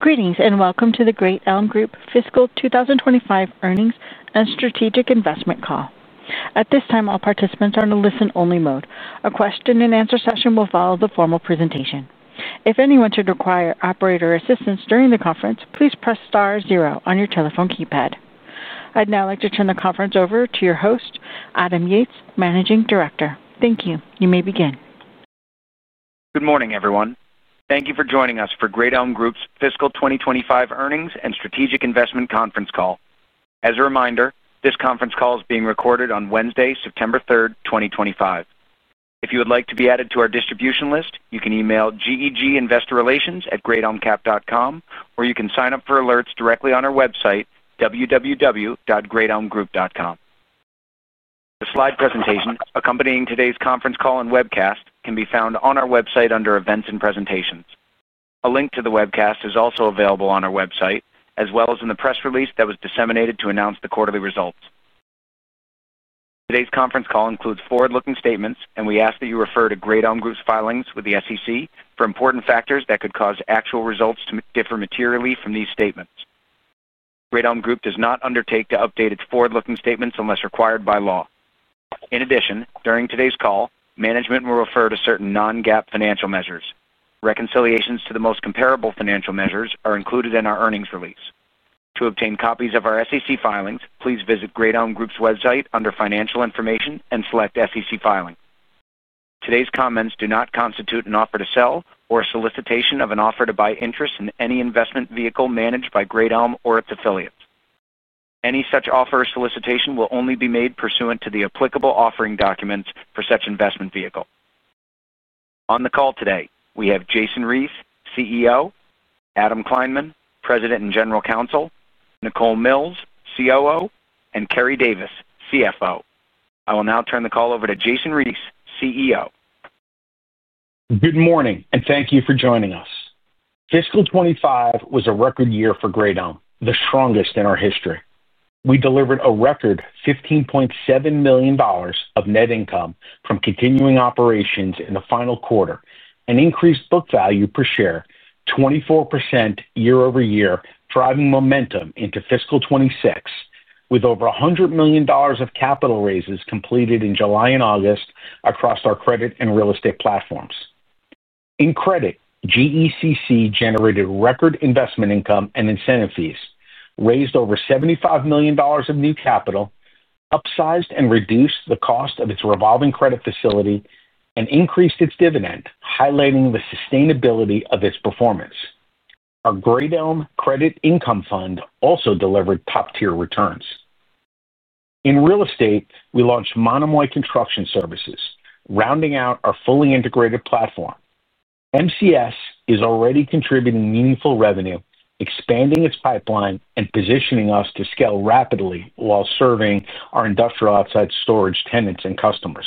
Greetings and welcome to the Great Elm Group Fiscal 2025 Earnings and Strategic Investment Call. At this time, all participants are in a listen-only mode. A question and answer session will follow the formal presentation. If anyone should require operator assistance during the conference, please press zero on your telephone keypad. I'd now like to turn the conference over to your host, Adam Yates, Managing Director. Thank you. You may begin. Good morning, everyone. Thank you for joining us for Great Elm Group's Fiscal 2025 Earnings and Strategic Investment Conference Call. As a reminder, this conference call is being recorded on Wednesday, September 3rd, 2025. If you would like to be added to our distribution list, you can email geginvestorrelations@greatelmcap.com, or you can sign up for alerts directly on our website, www.greatelmgroup.com. The slide presentation accompanying today's conference call and webcast can be found on our website under Events and Presentations. A link to the webcast is also available on our website, as well as in the press release that was disseminated to announce the quarterly results. Today's conference call includes forward-looking statements, and we ask that you refer to Great Elm Group's filings with the SEC for important factors that could cause actual results to differ materially from these statements. Great Elm Group does not undertake to update its forward-looking statements unless required by law. In addition, during today's call, management will refer to certain non-GAAP financial measures. Reconciliations to the most comparable financial measures are included in our earnings release. To obtain copies of our SEC filings, please visit Great Elm Group's website under Financial Information and select SEC Filing. Today's comments do not constitute an offer to sell or a solicitation of an offer to buy interest in any investment vehicle managed by Great Elm or its affiliates. Any such offer or solicitation will only be made pursuant to the applicable offering documents for such investment vehicle. On the call today, we have Jason Reese, CEO, Adam Kleinman, President and General Counsel, Nichole Milz, COO, and Keri Davis, CFO. I will now turn the call over to Jason Reese, CEO. Good morning and thank you for joining us. Fiscal 2025 was a record year for Great Elm, the strongest in our history. We delivered a record $15.7 million of net income from continuing operations in the final quarter and increased book value per share 24% year-over-year, driving momentum into fiscal 2026, with over $100 million of capital raises completed in July and August across our credit and real estate platforms. In credit, GECC generated record investment income and incentive fees, raised over $75 million of new capital, upsized and reduced the cost of its revolving credit facility, and increased its dividend, highlighting the sustainability of its performance. Our Great Elm Credit Income Fund also delivered top-tier returns. In real estate, we launched Monomoy Construction Services, rounding out our fully integrated platform. MCS is already contributing meaningful revenue, expanding its pipeline and positioning us to scale rapidly while serving our industrial outside storage tenants and customers.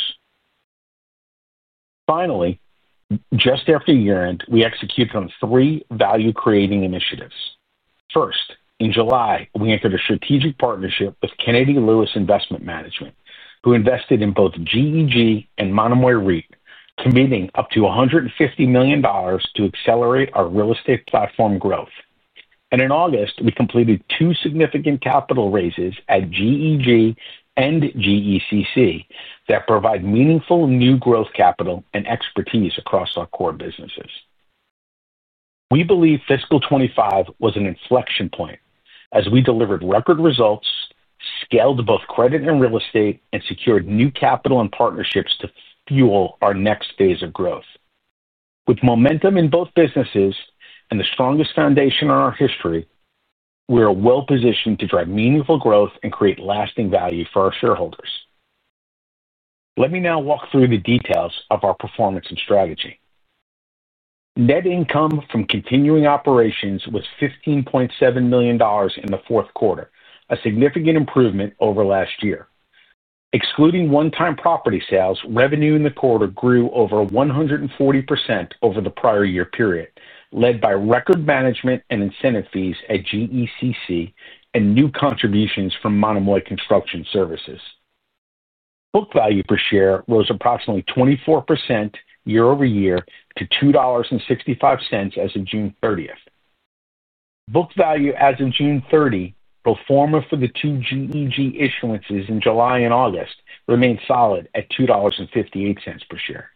Finally, just after year-end, we executed on three value-creating initiatives. First, in July, we entered a strategic partnership with Kennedy Lewis Investment Management, who invested in both GEG and Monomoy REIT, committing up to $150 million to accelerate our real estate platform growth. In August, we completed two significant capital raises at GEG and GECC that provide meaningful new growth capital and expertise across our core businesses. We believe fiscal 2025 was an inflection point as we delivered record results, scaled both credit and real estate, and secured new capital and partnerships to fuel our next phase of growth. With momentum in both businesses and the strongest foundation in our history, we are well-positioned to drive meaningful growth and create lasting value for our shareholders. Let me now walk through the details of our performance and strategy. Net income from continuing operations was $15.7 million in the fourth quarter, a significant improvement over last year. Excluding one-time property sales, revenue in the quarter grew over 140% over the prior year period, led by record management and incentive fees at GECC and new contributions from Monomoy Construction Services. Book value per share rose approximately 24% year-over-year to $2.65 as of June 30th. Book value as of June 30, pro forma for the two GEG issuances in July and August, remained solid at $2.58 per share.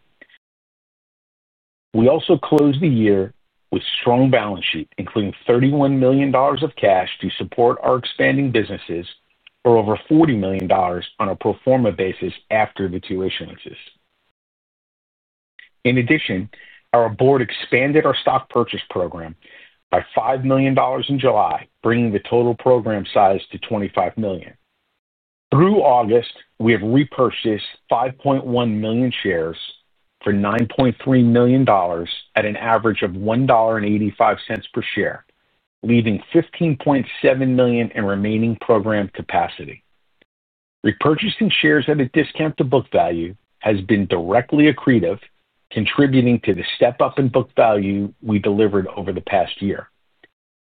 We also closed the year with strong balance sheets, including $31 million of cash to support our expanding businesses, for over $40 million on a pro forma basis after the two issuances. In addition, our board expanded our stock purchase program by $5 million in July, bringing the total program size to $25 million. Through August, we have repurchased 5.1 million shares for $9.3 million at an average of $1.85 per share, leaving $15.7 million in remaining program capacity. Repurchasing shares at a discount to book value has been directly accretive, contributing to the step-up in book value we delivered over the past year.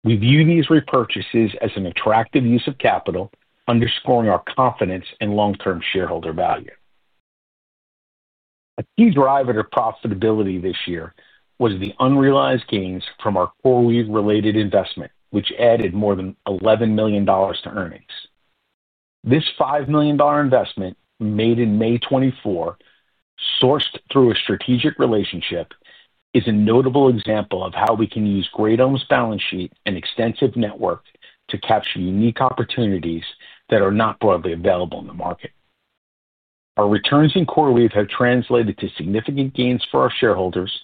We view these repurchases as an attractive use of capital, underscoring our confidence in long-term shareholder value. A key driver to profitability this year was the unrealized gains from our CoreWeave-related investment, which added more than $11 million to earnings. This $5 million investment made in May 2024, sourced through a strategic relationship, is a notable example of how we can use Great Elm's balance sheet and extensive network to capture unique opportunities that are not broadly available in the market. Our returns in CoreWeave have translated to significant gains for our shareholders,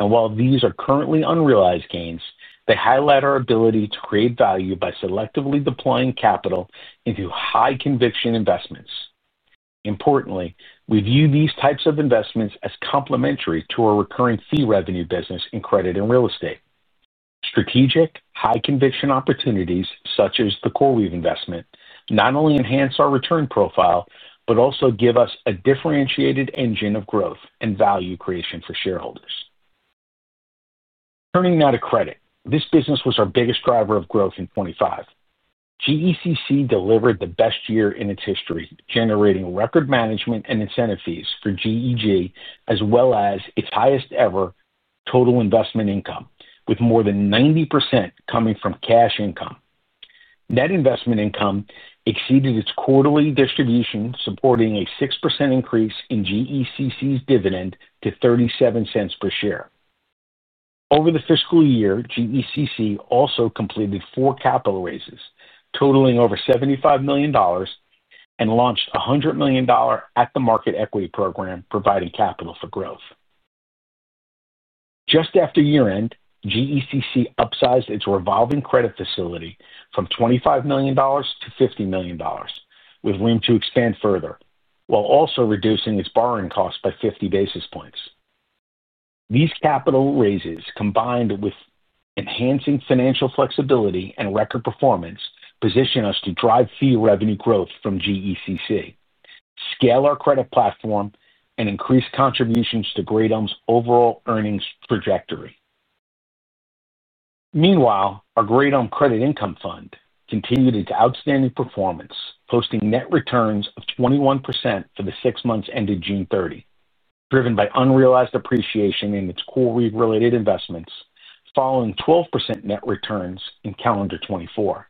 and while these are currently unrealized gains, they highlight our ability to create value by selectively deploying capital into high-conviction investments. Importantly, we view these types of investments as complementary to our recurring fee revenue business in credit and real estate. Strategic, high-conviction opportunities such as the CoreWeave investment not only enhance our return profile but also give us a differentiated engine of growth and value creation for shareholders. Turning now to credit, this business was our biggest driver of growth in 2025. GECC delivered the best year in its history, generating record management and incentive fees for GEG as well as its highest ever total investment income, with more than 90% coming from cash income. Net investment income exceeded its quarterly distribution, supporting a 6% increase in GECC's dividend to $0.37 per share. Over the fiscal year, GECC also completed four capital raises, totaling over $75 million, and launched a $100 million at-the-market equity program, providing capital for growth. Just after year-end, GECC upsized its revolving credit facility from $25 million to $50 million, with room to expand further, while also reducing its borrowing cost by 50 basis points. These capital raises, combined with enhancing financial flexibility and record performance, position us to drive fee revenue growth from GECC, scale our credit platform, and increase contributions to Great Elm's overall earnings trajectory. Meanwhile, our Great Elm Credit Income Fund continued its outstanding performance, posting net returns of 21% for the six months ended June 30, driven by unrealized appreciation in its CoreWeave-related investments, following 12% net returns in calendar 2024.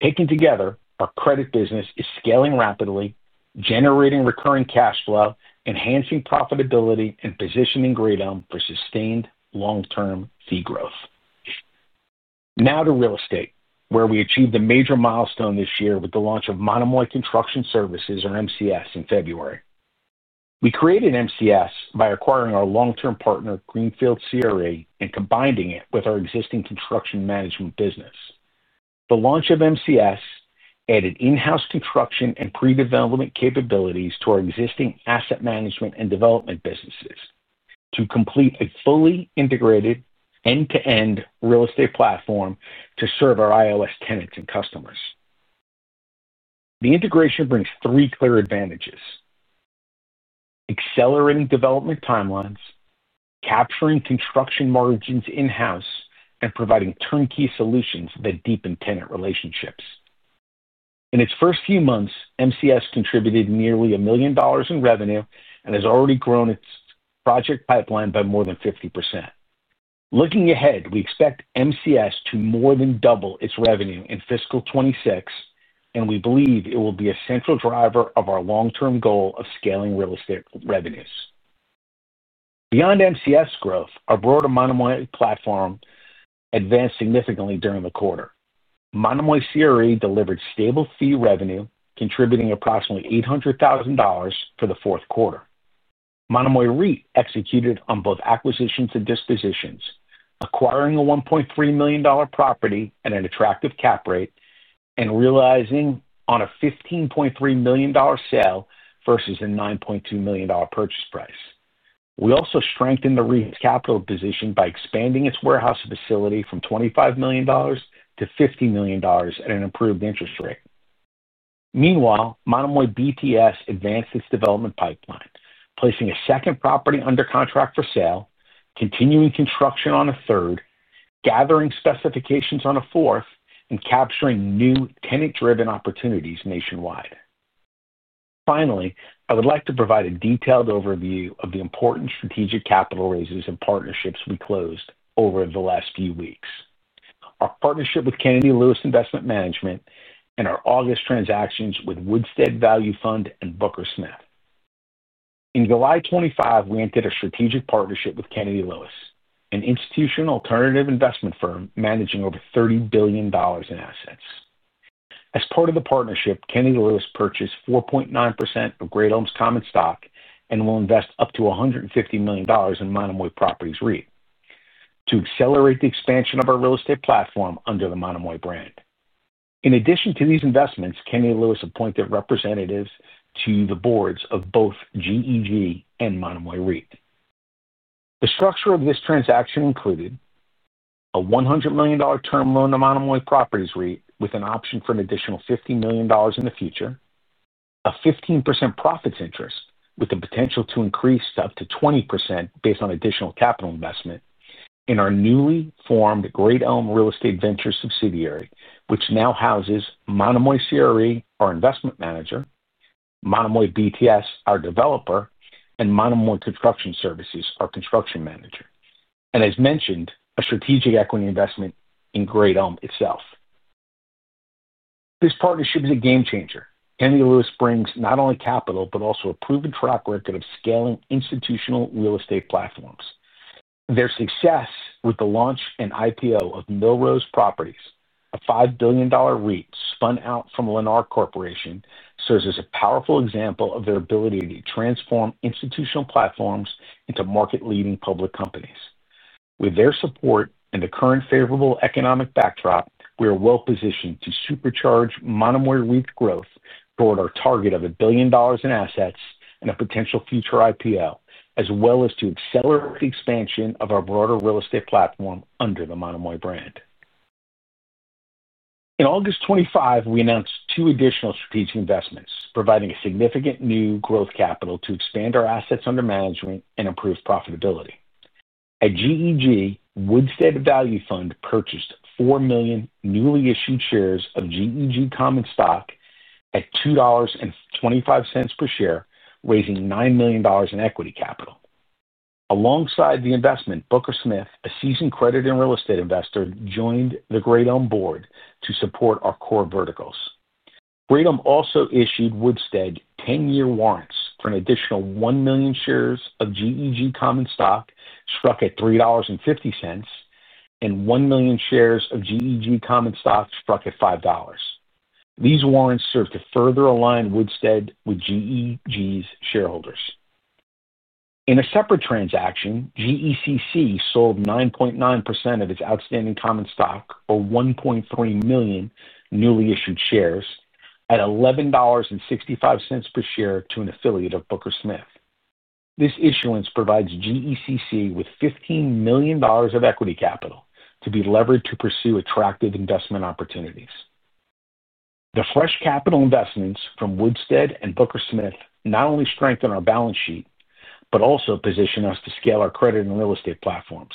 Taken together, our credit business is scaling rapidly, generating recurring cash flow, enhancing profitability, and positioning Great Elm for sustained long-term fee growth. Now to real estate, where we achieved a major milestone this year with the launch of Monomoy Construction Services, or MCS, in February. We created MCS by acquiring our long-term partner, Greenfield CRA, and combining it with our existing construction management business. The launch of MCS added in-house construction and pre-development capabilities to our existing asset management and development businesses to complete a fully integrated end-to-end real estate platform to serve our ILS tenants and customers. The integration brings three clear advantages: accelerating development timelines, capturing construction margins in-house, and providing turnkey solutions that deepen tenant relationships. In its first few months, MCS contributed nearly $1 million in revenue and has already grown its project pipeline by more than 50%. Looking ahead, we expect MCS to more than double its revenue in fiscal 2026, and we believe it will be a central driver of our long-term goal of scaling real estate revenues. Beyond MCS growth, our broader Monomoy platform advanced significantly during the quarter. Monomoy CRA delivered stable fee revenue, contributing approximately $800,000 for the fourth quarter. Monomoy REIT executed on both acquisitions and dispositions, acquiring a $1.3 million property at an attractive cap rate and realizing on a $15.3 million sale versus a $9.2 million purchase price. We also strengthened the REIT's capital position by expanding its warehouse facility from $25 million to $50 million at an improved interest rate. Meanwhile, Monomoy BTS advanced its development pipeline, placing a second property under contract for sale, continuing construction on a third, gathering specifications on a fourth, and capturing new tenant-driven opportunities nationwide. Finally, I would like to provide a detailed overview of the important strategic capital raises and partnerships we closed over the last few weeks. Our partnership with Kennedy Lewis Investment Management and our August transactions with Woodstead Value Fund and Booker Smith. On July 25, we entered a strategic partnership with Kennedy Lewis, an institutional alternative investment firm managing over $30 billion in assets. As part of the partnership, Kennedy Lewis purchased 4.9% of Great Elm's common stock and will invest up to $150 million in Monomoy REIT to accelerate the expansion of our real estate platform under the Monomoy brand. In addition to these investments, Kennedy Lewis appointed representatives to the boards of both GEG and Monomoy REIT. The structure of this transaction included a $100 million term loan to Monomoy REIT with an option for an additional $50 million in the future, a 15% profits interest with the potential to increase to up to 20% based on additional capital investment in our newly formed Great Elm Real Estate Ventures subsidiary, which now houses Monomoy CRA, our investment manager, Monomoy BTS, our developer, and Monomoy Construction Services, our construction manager. As mentioned, a strategic equity investment in Great Elm itself. This partnership is a game changer. Kennedy Lewis brings not only capital but also a proven track record of scaling institutional real estate platforms. Their success with the launch and IPO of Millrose Properties, a $5 billion REIT spun out from Lennar Corporation, serves as a powerful example of their ability to transform institutional platforms into market-leading public companies. With their support and the current favorable economic backdrop, we are well-positioned to supercharge Monomoy REIT's growth toward our target of $1 billion in assets and a potential future IPO, as well as to accelerate the expansion of our broader real estate platform under the Monomoy brand. On August 25, we announced two additional strategic investments, providing significant new growth capital to expand our assets under management and improve profitability. At GEG Woodstead Value Fund purchased 4 million newly issued shares of GEG common stock at $2.25 per share, raising $9 million in equity capital. Alongside the investment, Booker Smith, a seasoned credit and real estate investor, joined the Great Elm board to support our core verticals. Great Elm also issued Woodstead 10-year warrants for an additional 1 million shares of GEG common stock struck at $3.50 and 1 million shares of GEG common stock struck at $5. These warrants served to further align Woodstead with GEG's shareholders. In a separate transaction, GECC sold 9.9% of its outstanding common stock, or 1.3 million newly issued shares, at $11.65 per share to an affiliate of Booker Smith. This issuance provides GECC with $15 million of equity capital to be levered to pursue attractive investment opportunities. The fresh capital investments from Woodstead and Booker Smith not only strengthen our balance sheet but also position us to scale our credit and real estate platforms.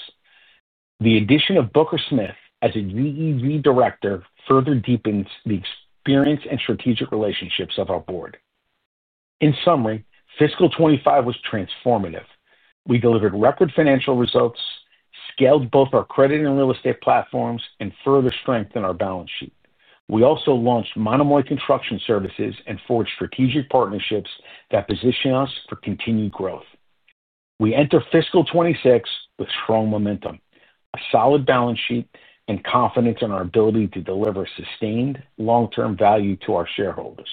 The addition of Booker Smith as a GEG Director further deepens the experience and strategic relationships of our board. In summary, fiscal 2025 was transformative. We delivered record financial results, scaled both our credit and real estate platforms, and further strengthened our balance sheet. We also launched Monomoy Construction Services and forged strategic partnerships that position us for continued growth. We enter fiscal 2026 with strong momentum, a solid balance sheet, and confidence in our ability to deliver sustained long-term value to our shareholders.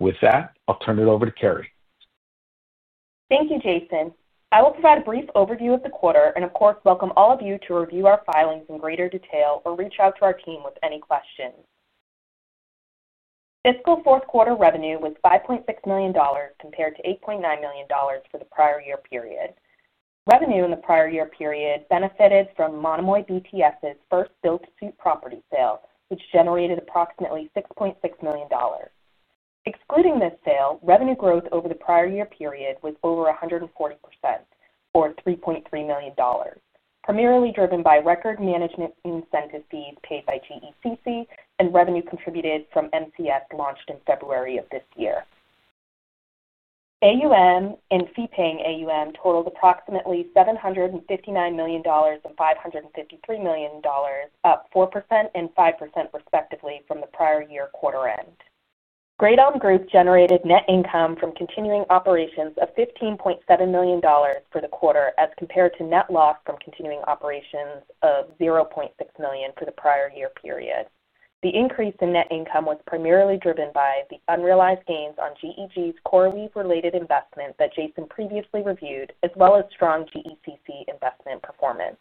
With that, I'll turn it over to Keri. Thank you, Jason. I will provide a brief overview of the quarter and, of course, welcome all of you to review our filings in greater detail or reach out to our team with any questions. Fiscal fourth quarter revenue was $5.6 million compared to $8.9 million for the prior year period. Revenue in the prior year period benefited from Monomoy BTS's first Silk Suit property sale, which generated approximately $6.6 million. Excluding this sale, revenue growth over the prior year period was over 140%, or $3.3 million, primarily driven by record management and incentive fees paid by GECC and revenue contributed from MCS launched in February of this year. Assets under management in fee-paying AUM totaled approximately $759 million and $553 million, up 4% and 5% respectively from the prior year quarter end. Great Elm Group. generated net income from continuing operations of $15.7 million for the quarter as compared to net loss from continuing operations of $0.6 million for the prior year period. The increase in net income was primarily driven by the unrealized gains on GEG's CoreWeave-related investment that Jason previously reviewed, as well as strong GECC investment performance.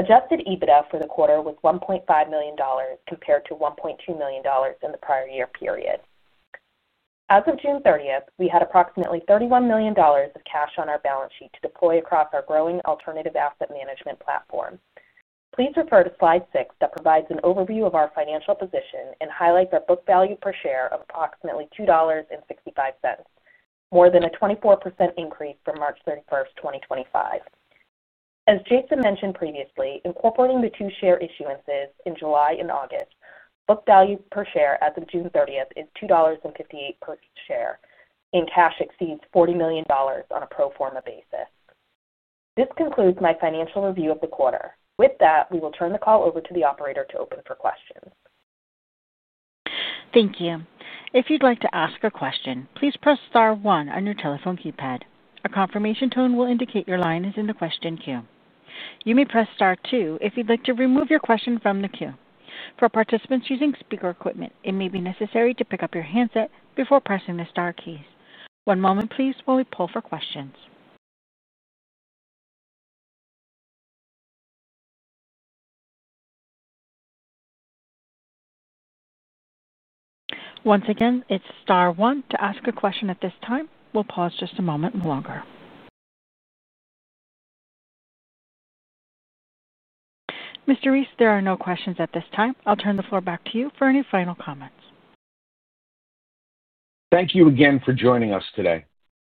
Adjusted EBITDA for the quarter was $1.5 million compared to $1.2 million in the prior year period. As of June 30th, we had approximately $31 million of cash on our balance sheet to deploy across our growing alternative asset management platform. Please refer to slide six that provides an overview of our financial position and highlights our book value per share of approximately $2.65, more than a 24% increase from March 31st, 2025. As Jason mentioned previously, incorporating the two share issuances in July and August, book value per share as of June 30th is $2.58 per share, and cash exceeds $40 million on a pro forma basis. This concludes my financial review of the quarter. With that, we will turn the call over to the operator to open for questions. Thank you. If you'd like to ask a question, please press star one on your telephone keypad. A confirmation tone will indicate your line is in the question queue. You may press star two if you'd like to remove your question from the queue. For participants using speaker equipment, it may be necessary to pick up your handset before pressing the star keys. One moment, please, while we poll for questions. Once again, it's star one to ask a question at this time. We'll pause just a moment longer. Mr. Reese, there are no questions at this time. I'll turn the floor back to you for any final comments. Thank you again for joining us today.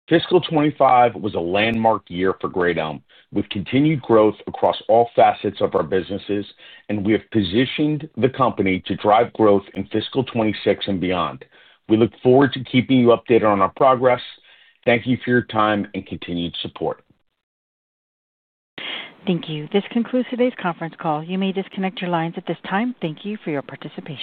Fiscal 2025 was a landmark year for Great Elm. We've continued growth across all facets of our businesses, and we have positioned the company to drive growth in fiscal 2026 and beyond. We look forward to keeping you updated on our progress. Thank you for your time and continued support. Thank you. This concludes today's conference call. You may disconnect your lines at this time. Thank you for your participation.